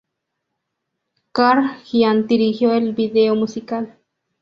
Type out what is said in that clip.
Karl giant dirigió el video musical.